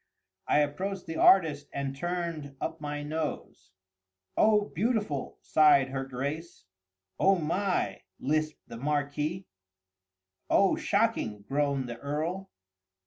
I approached the artist and turned up my nose. "Oh, beautiful!" sighed her Grace. "Oh my!" lisped the Marquis. "Oh, shocking!" groaned the Earl.